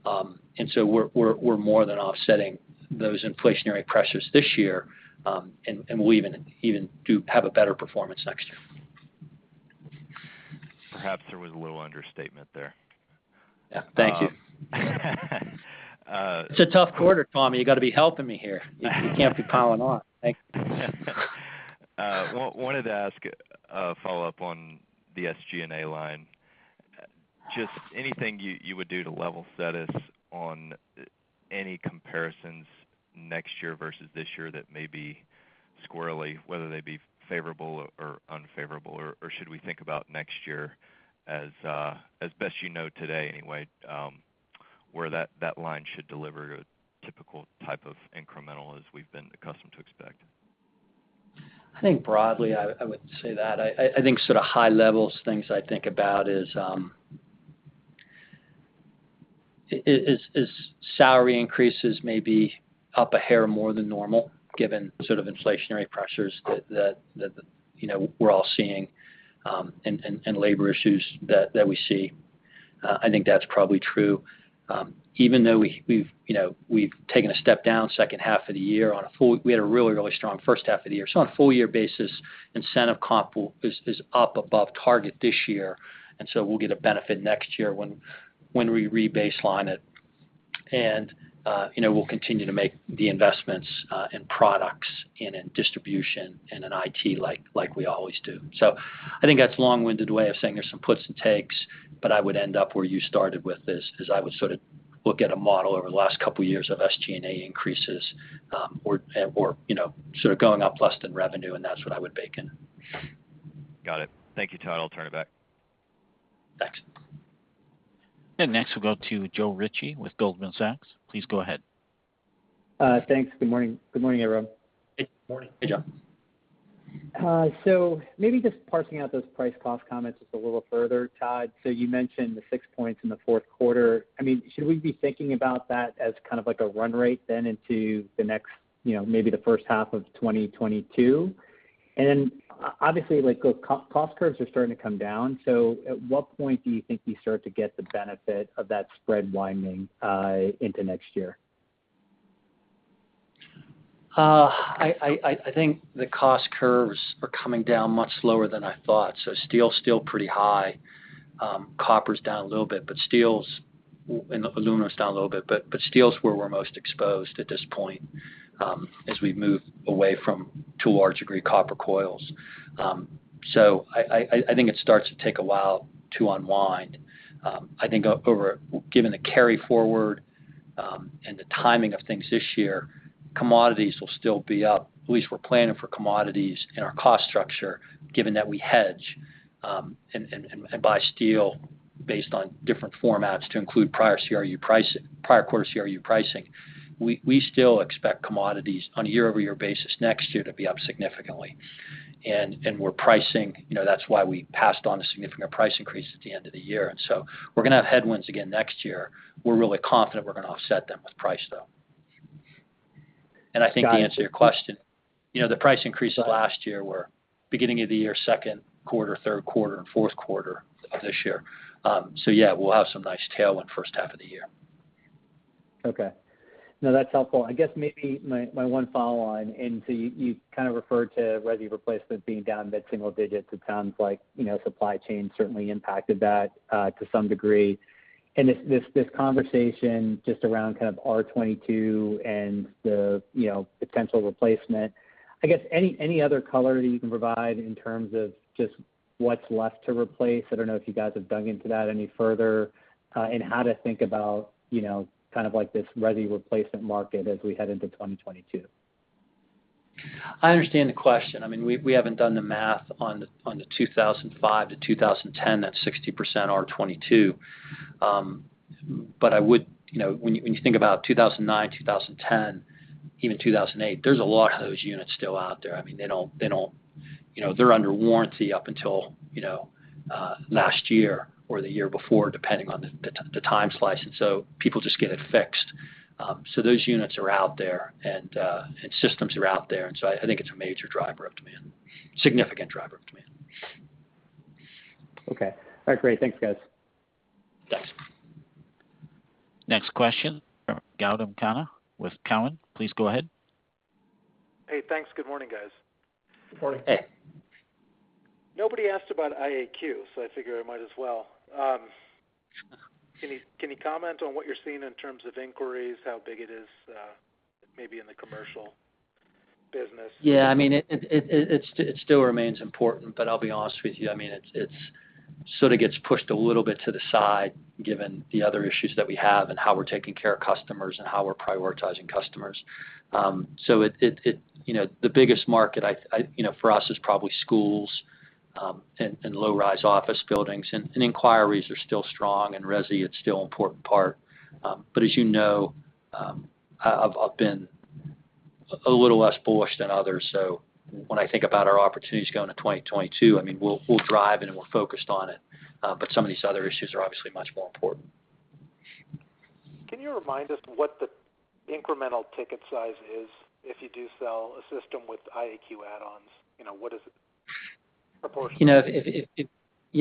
And so, we're more than offsetting those inflationary pressures this year, and we'll even have a better performance next year. Perhaps there was a little understatement there. Yeah. Thank you. It's a tough quarter, Tommy. You've got to be helping me here. You can't be piling on. Thank you. Wanted to ask a follow-up on the SG&A line. Just anything you would do to level set us on any comparisons next year versus this year that may be squirrely, whether they be favorable or unfavorable, or should we think about next year, as best you know today anyway, where that line should deliver a typical type of incremental as we've been accustomed to expect? I think broadly, I would say that. I think sort of high levels things I think about is, salary increases may be up a hair more than normal given inflationary pressures that we're all seeing, and labor issues that we see. I think that's probably true. Even though we've, you know, taken a step down second half of the year. We had a really strong first half of the year. On a full year basis, incentive comp is up above target this year, and so we'll get a benefit next year when we re-baseline it. You know, we'll continue to make the investments in products and in distribution and in IT like we always do. So, I think that's a long-winded way of saying there's some puts and takes, but I would end up where you started with this, is I would look at a model over the last couple of years of SG&A increases or, you know, sort of going up less than revenue, and that's what I would bake in. Got it. Thank you, Todd. I'll turn it back. Thanks. Next, we'll go to Joe Ritchie with Goldman Sachs. Please go ahead. Thanks. Good morning, everyone. Hey. Morning. Hey, Joe. So, maybe just parsing out those price cost comments just a little further, Todd. You mentioned the 6 points in the fourth quarter. Should we be thinking about that as kind of like a run rate then into the next maybe the first half of 2022? Obviously, cost curves are starting to come down, at what point do you think you start to get the benefit of that spread winding into next year? I think the cost curves are coming down much slower than I thought. Steel's still pretty high. Copper's down a little bit, aluminum is down a little bit, but steel's where we're most exposed at this point as we move away from, to a large degree, copper coils. I think it starts to take a while to unwind. I think given the carry forward and the timing of things this year, commodities will still be up. At least we're planning for commodities in our cost structure, given that we hedge and buy steel based on different formats to include prior-quarter CRU pricing. We still expect commodities on a year-over-year basis next year to be up significantly. and we're pricing, you know? So that's why we passed on a significant price increase at the end of the year. So, we're going to have headwinds again next year. We're really confident we're going to offset them with price, though. Got it. I think to answer your question, the price increases last year were beginning of the year, second quarter, third quarter, and fourth quarter of this year. Yeah, we'll have some nice tailwind first half of the year. Okay. No, that's helpful. I guess maybe my one follow on into, you kind of referred to resi replacement being down mid-single digits. It sounds like you know, supply chain certainly impacted that to some degree. This conversation just around kind of R-22 and the, you know, potential replacement, I guess any other color that you can provide in terms of just what's left to replace? I don't know if you guys have dug into that any further. How to think about, you know, kind of like this resi replacement market as we head into 2022. I understand the question. I mean, we haven't done the math on the 2005 to 2010, that 60% R-22. You know, when you think about 2009, 2010, even 2008, there's a lot of those units still out there. You know, they're under warranty up until last year or the year before, depending on the time slice, so people just get it fixed. Those units are out there, and systems are out there, so I think it's a major driver of demand. Significant driver of demand. Okay. All right. Great. Thanks, guys. Thanks. Next question from Gautam Khanna with TD Cowen. Please go ahead. Hey, thanks. Good morning, guys. Good morning. Hey. Nobody asked about IAQ, so I figure I might as well. Can you comment on what you're seeing in terms of inquiries? How big it is maybe in the commercial business? Yeah, I mean, it still remains important, but I'll be honest with you, I mean, it sort of gets pushed a little bit to the side given the other issues that we have and how we're taking care of customers and how we're prioritizing customers. So it, you know, the biggest market, you know, for us, is probably schools and low-rise office, buildings, inquiries are still strong, and resi, it's still an important part. But as you know, I've been a little less bullish than others. So, when I think about our opportunities going to 2022, we'll drive it and we're focused on it, but some of these other issues are obviously much more important. Can you remind us what the incremental ticket size is if you do sell a system with IAQ add-ons? You know, what is the proportion? Yeah.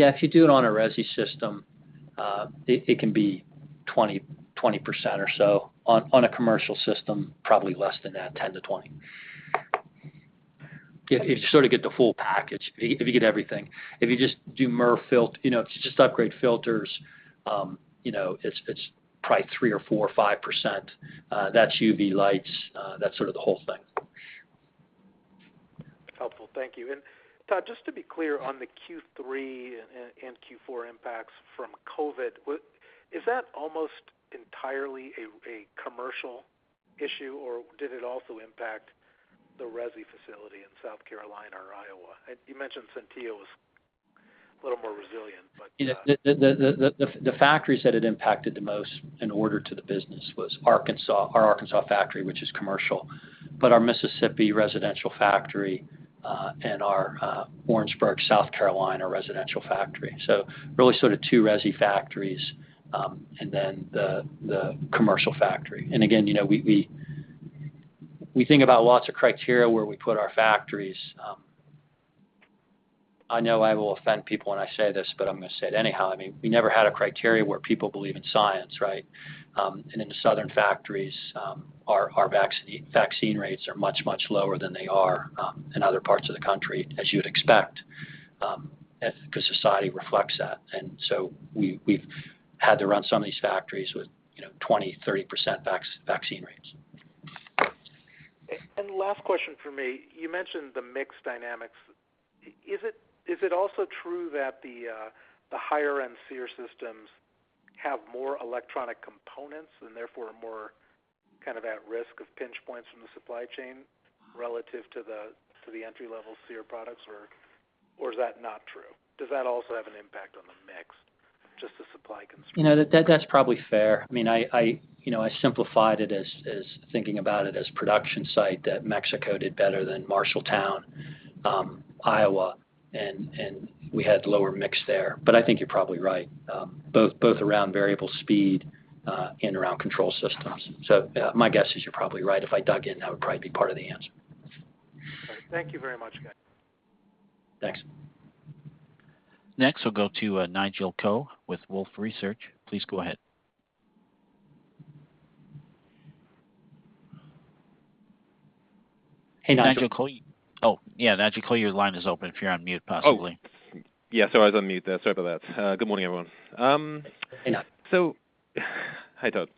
If you do it on a resi system, it can be 20% or so. On a commercial system, probably less than that, 10%-20%. If you sort of get the full package, if you get everything. If you just do MERV filters, you know, if you just upgrade filters, you know, it's probably 3%, 4%, or 5%. That's UV lights, that's sort of the whole thing. Helpful. Thank you. Todd, just to be clear on the Q3 and Q4 impacts from COVID, is that almost entirely a commercial issue, or did it also impact the resi facility in South Carolina or Iowa? You mentioned Saltillo was a little more resilient. You know, the factories that it impacted the most in order to the business was our Arkansas factory, which is commercial. Our Mississippi residential factory, and our Orangeburg, South Carolina, residential factory. Really sort of two resi factories, and then the commercial factory. And again, you know, we think about lots of criteria where we put our factories. I know I will offend people when I say this, but I'm going to say it anyhow. We never had a criteria where people believe in science, right? In the southern factories, our vaccine rates are much, much lower than they are in other parts of the country, as you would expect, because society reflects that. We've had to run some of these factories with, you know, 20%, 30% vaccine rates. Last question from me. You mentioned the mix dynamics. Is it also true that the higher-end SEER systems have more electronic components and therefore are more kind of at risk of pinch points from the supply chain relative to the entry-level SEER products, or is that not true? Does that also have an impact on the mix, just the supply constraints? That's probably fair. I mean, you know, I simplified it as thinking about it as production site, that Mexico did better than Marshalltown, Iowa, and we had lower mix there. But I think you're probably right, both around variable speed and around control systems. So, my guess is you're probably right. If I dug in, I would probably be part of the answer. All right. Thank you very much, guys. Thanks. Next, we'll go to Nigel Coe with Wolfe Research. Please go ahead. Hey, Nigel. Nigel Coe. Oh, yeah. Nigel Coe, your line is open. If you're on mute, possibly. Oh. Yeah, sorry, I was on mute there. Sorry about that. Good morning, everyone. Hey, Nigel. Hi, Todd.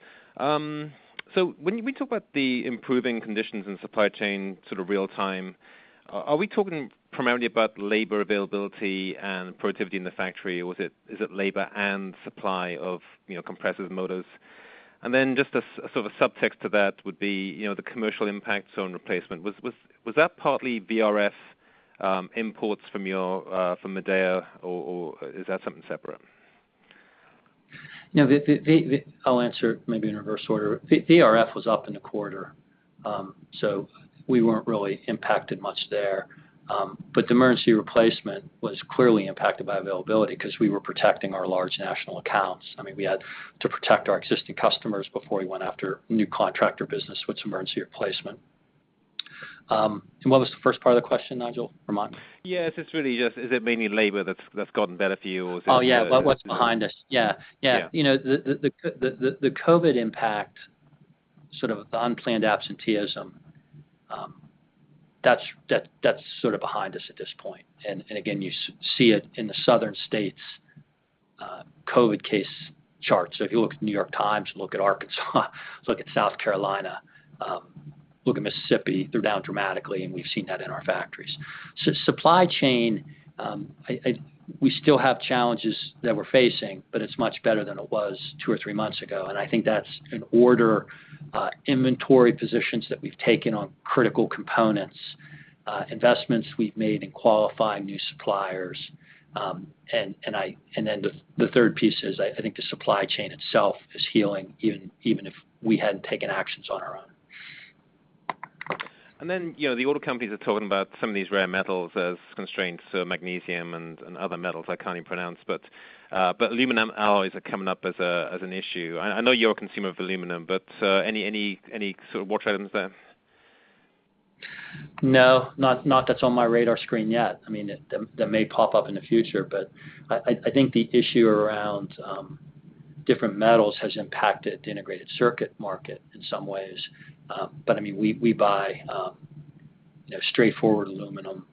So, when we talk about the improving conditions in supply chain sort of real time, are we talking primarily about labor availability and productivity in the factory, or is it labor and supply of, you know, compressors, motors? Just a sort of a subtext to that would be, you know, the commercial impact zone replacement. Was that partly VRF imports from Midea, or is that something separate? Now, I'll answer maybe in reverse order. VRF was up in the quarter. We weren't really impacted much there. The emergency replacement was clearly impacted by availability because we were protecting our large national accounts. We had to protect our existing customers before we went after new contractor business with some emergency replacement. What was the first part of the question, Nigel? [inaudible] Yes, it's really just is it mainly labor that's gotten better for you? Oh, yeah. What's behind us? Yeah. Yeah. The COVID impact, sort of the unplanned absenteeism, that's sort of behind us at this point. Again, you see it in the southern states COVID case charts. If you look at The New York Times, look at Arkansas, look at South Carolina, look at Mississippi, they're down dramatically, and we've seen that in our factories. Supply chain, we still have challenges that we're facing, but it's much better than it was two or three months ago, and I think that's in order inventory positions that we've taken on critical components, investments we've made in qualifying new suppliers. The third piece is I think the supply chain itself is healing, even if we hadn't taken actions on our own. The auto companies are talking about some of these rare metals as constraints. Magnesium and other metals I can't even pronounce. Aluminum alloys are coming up as an issue. I know you're a consumer of aluminum, but any sort of watch items there? No, not that's on my radar screen yet. That may pop up in the future, I think the issue around different metals has impacted the integrated circuit market in some ways. We buy straightforward aluminum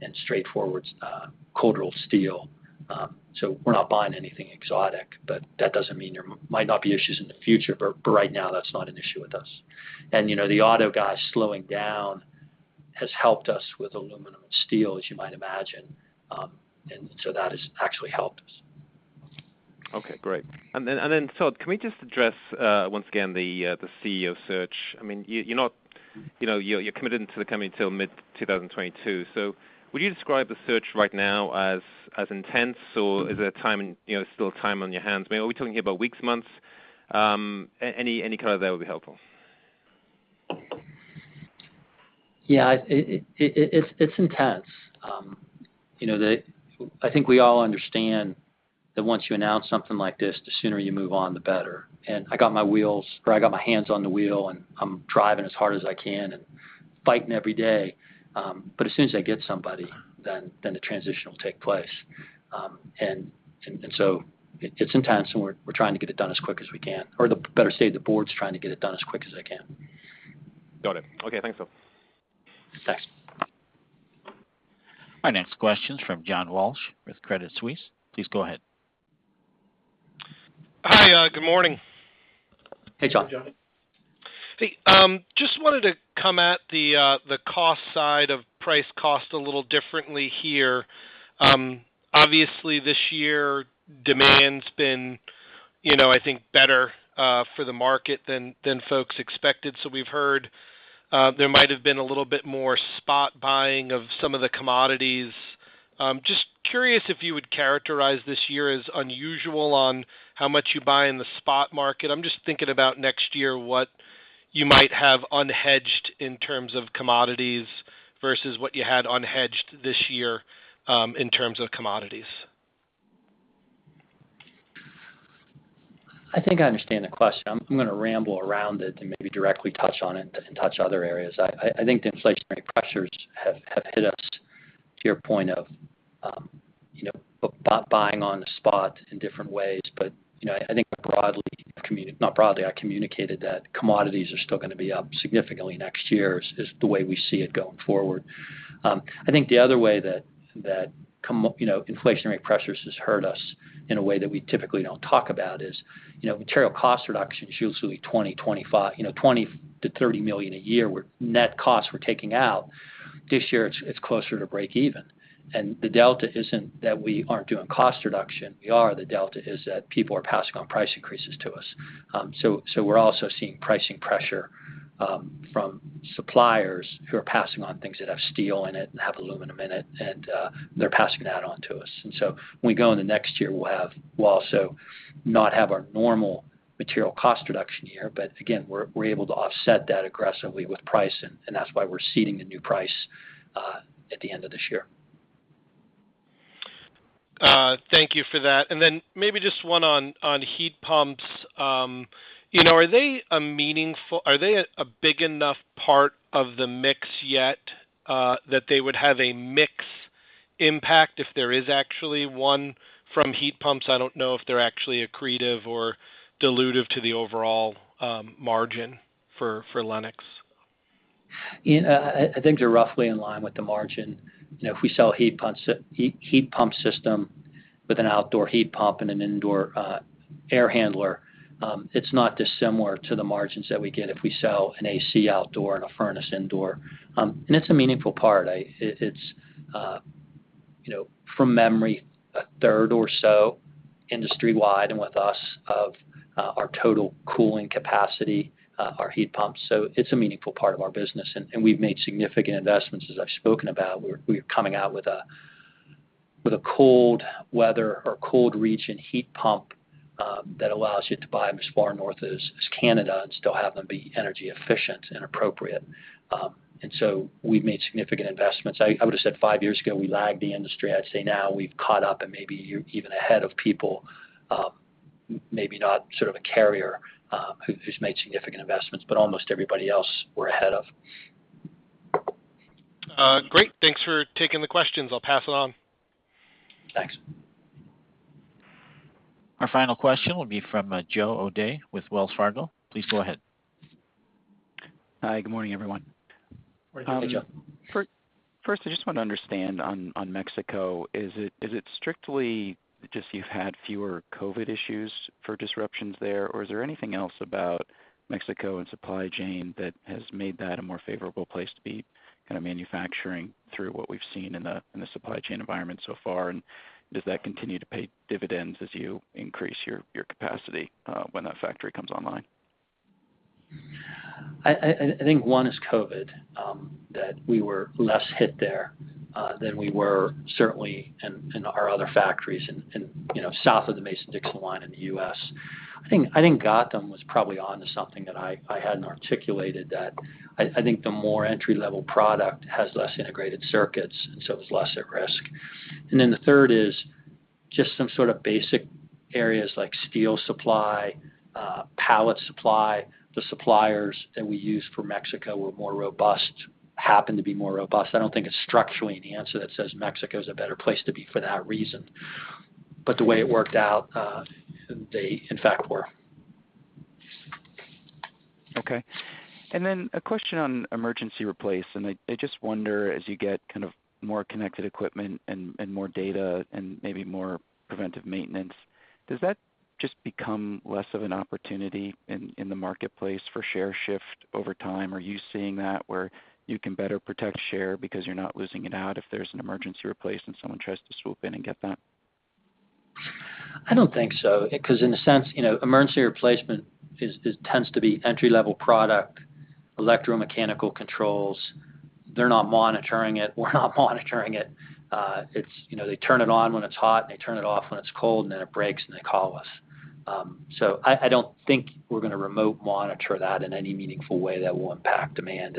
and straightforward cold-rolled steel. So, we're not buying anything exotic, but that doesn't mean there might not be issues in the future, but for right now, that's not an issue with us. You know, the auto guys slowing down has helped us with aluminum and steel, as you might imagine. So that has actually helped us. Okay, great. Todd, can we just address, once again, the CEO search? I mean, you know, you're committed into the company till mid-2022 so. Would you describe the search right now as intense, or is there time, you know, still time on your hands? Are we talking here about weeks, months? Any color there would be helpful. Yeah, it's intense. You know, I think we all understand that once you announce something like this, the sooner you move on, the better. I got my hands on the wheel, and I'm driving as hard as I can and fighting every day. But soon as I get somebody, then the transition will take place. It's intense, and we're trying to get it done as quick as we can. The better say, the board's trying to get it done as quick as they can. Got it. Okay, thanks, Todd. Thanks. Our next question's from John Walsh with Credit Suisse. Please go ahead. Hi. Good morning. Hey, John. Hey. Just wanted to come at the cost side of price cost a little differently here. Obviously, this year, demand's been, you know, I think better for the market than folks expected. So we've heard there might have been a little bit more spot buying of some of the commodities. Just curious if you would characterize this year as unusual on how much you buy in the spot market. I'm just thinking about next year, what you might have unhedged in terms of commodities versus what you had unhedged this year in terms of commodities. I think I understand the question. I'm going to ramble around it and maybe directly touch on it and touch other areas. I think the inflationary pressures have hit us to your point of buying on the spot in different ways. But, you know, I think broadly, not broadly, I communicated that commodities are still going to be up significantly next year is the way we see it going forward. I think the other way that, you know, inflationary pressures has hurt us in a way that we typically don't talk about is, you know, material cost reductions, usually $20 million-$30 million a year were net costs we're taking out. This year, it's closer to breakeven. The delta isn't that we aren't doing cost reduction. We are. The delta is that people are passing on price increases to us. So we're also seeing pricing pressure from suppliers who are passing on things that have steel in it and have aluminum in it, and they're passing that on to us. And so, when we go in the next year, we'll also not have our normal material cost reduction year, but again, we're able to offset that aggressively with price, and that's why we're seeding the new price at the end of this year. Thank you for that. And then, maybe just one on heat pumps. Are they a big enough part of the mix yet that they would have a mix impact if there is actually one from heat pumps? I don't know if they're actually accretive or dilutive to the overall margin for Lennox. I think they're roughly in line with the margin. If we sell a heat pump system with an outdoor heat pump and an indoor air handler, it's not dissimilar to the margins that we get if we sell an AC outdoor and a furnace indoor. It's a meaningful part, right? It's, from memory, third or so industry-wide and with us of our total cooling capacity, our heat pumps. So it's a meaningful part of our business, and we've made significant investments, as I've spoken about. We're coming out with a cold weather or cold region heat pump that allows you to buy them as far north as Canada and still have them be energy efficient and appropriate. And so, we've made significant investments. I would've said five years ago we lagged the industry. I'd say now we've caught up and maybe even ahead of people. Maybe not sort of a Carrier who's made significant investments, but almost everybody else, we're ahead of. Great. Thanks for taking the questions. I'll pass it on. Thanks. Our final question will be from Joe O'Dea with Wells Fargo. Please go ahead. Hi, good morning, everyone. Morning, Joe. First, I just want to understand on Mexico, is it strictly just you've had fewer COVID issues for disruptions there, or is there anything else about Mexico and supply chain that has made that a more favorable place to be kind of manufacturing through what we've seen in the supply chain environment so far, and does that continue to pay dividends as you increase your capacity when that factory comes online? I think one is COVID, that we were less hit there, than we were certainly in our other factories and, you know, south of the Mason-Dixon line in the U.S. I think Gautam was probably onto something that I hadn't articulated, that I think the more entry-level product has less integrated circuits and so it was less at risk. The third is just some sort of basic areas like steel supply, pallet supply. The suppliers that we use for Mexico were more robust, happen to be more robust. I don't think it's structurally the answer that says Mexico is a better place to be for that reason. The way it worked out, they in fact were. Okay. And then, a question on emergency replace, and I just wonder as you get kind of more connected equipment and more data and maybe more preventive maintenance, does that just become less of an opportunity in the marketplace for share shift over time? Are you seeing that where you can better protect share because you're not losing it out if there's an emergency replace and someone tries to swoop in and get that? I don't think so. Because in a sense, you know, emergency replacement tends to be entry-level product, electromechanical controls. They're not monitoring it. We're not monitoring it. You know, they turn it on when it's hot, and they turn it off when it's cold, and then it breaks, and they call us. I don't think we're going to remote monitor that in any meaningful way that will impact demand.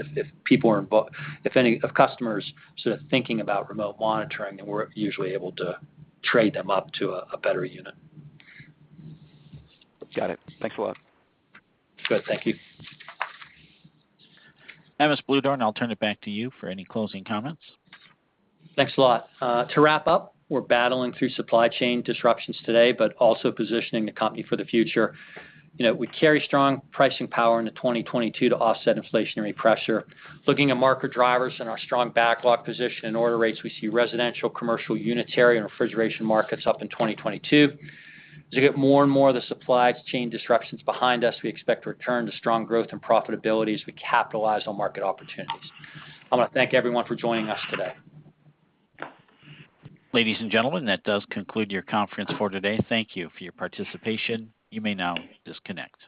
If customers are sort of thinking about remote monitoring, we're usually able to trade them up to a better unit. Got it. Thanks a lot. Good. Thank you. Todd Bluedorn, I'll turn it back to you for any closing comments. Thanks a lot. To wrap up, we're battling through supply chain disruptions today, but also positioning the company for the future. You know, we carry strong pricing power into 2022 to offset inflationary pressure. Looking at market drivers and our strong backlog position and order rates, we see residential, commercial, unitary, and refrigeration markets up in 2022. As we get more and more of the supply chain disruptions behind us, we expect to return to strong growth and profitability as we capitalize on market opportunities. I want to thank everyone for joining us today. Ladies and gentlemen, that does conclude your conference for today. Thank you for your participation. You may now disconnect.